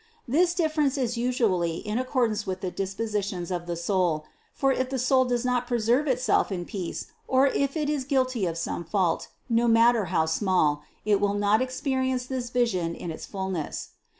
This difference is usually in accordance with the dispositions of the soul ; for if the soul does not preserve itself in peace or if it is guilty of some fault, no matter how small, it will not experience this vision in its fullness.